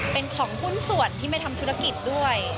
เป็นของหุ้นส่วนที่ไม่ทำธุรกิจด้วย